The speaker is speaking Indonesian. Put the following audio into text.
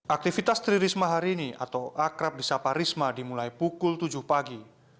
aktivitas tri risma hari ini atau akrab di sapa risma dimulai pukul tujuh pagi